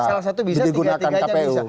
salah satu bisa tiga tiganya bisa